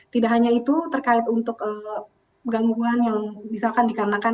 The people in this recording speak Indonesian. tidak hanya itu terkait untuk gangguan yang misalkan dikarenakan